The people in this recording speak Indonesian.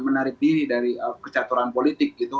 menarik diri dari percaturan politik gitu